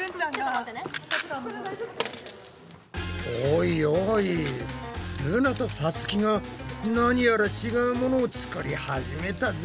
おいおいルナとさつきが何やら違うものを作り始めたぞ。